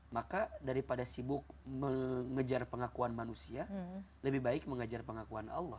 maka daripada sibuk mengejar pengakuan manusia lebih baik mengajar pengakuan allah